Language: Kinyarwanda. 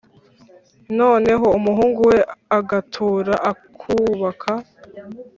noneho umuhungu we agatura, akubaka,